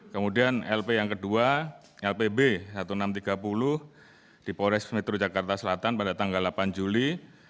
kemudian lp yang kedua lpb seribu enam ratus tiga puluh di pores metro jakarta selatan pada tanggal delapan juli